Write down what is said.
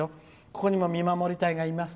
ここにも見守り隊がいます。